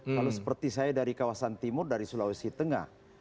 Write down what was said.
kalau seperti saya dari kawasan timur dari sulawesi tengah